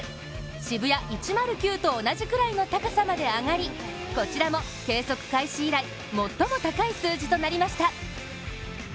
ＳＨＩＢＵＹＡ１０９と同じぐらいの高さまで上がりこちらも計測開始以来、最も高い数字となりました。